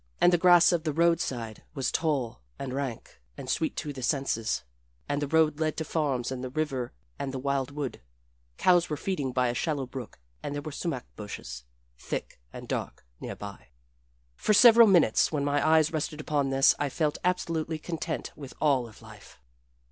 And the grass by the road side was tall and rank and sweet to the senses, and the road led to farms and the river and the wildwood. Cows were feeding by a shallow brook, and there were sumach bushes, thick and dark, near by. For several minutes when my eyes rested upon this I felt absolutely content with all of life.